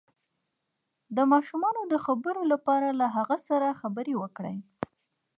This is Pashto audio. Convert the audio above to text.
د ماشوم د خبرو لپاره له هغه سره خبرې وکړئ